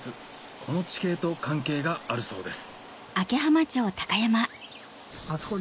この地形と関係があるそうです